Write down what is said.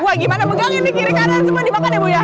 wah gimana pegangin nih kiri kanan semua dimakan ya buya